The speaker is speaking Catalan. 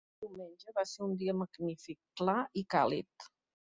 Diumenge va ser un dia magnífic, clar i càlid.